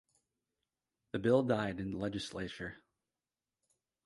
The bill died in the Legislature.